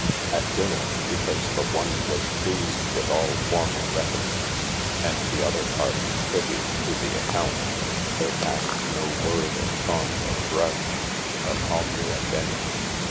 At dinner, bicause the on was pleased with al former reconinges, and the other partye privie to the accopt, there passed no word of taunt or grudg[e]d, but omnia bene.